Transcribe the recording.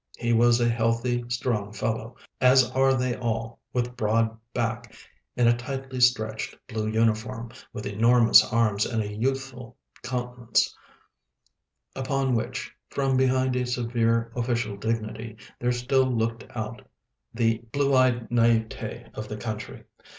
He was a healthy, strong fellow, as are they all, with broad back, in a tightly stretched blue uniform, with enormous arms and a youthful countenance, upon which, from behind a severe official dignity, there still looked out the blue eyed naïveté of the country.